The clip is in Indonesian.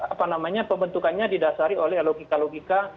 apa namanya pembentukannya didasari oleh logika logika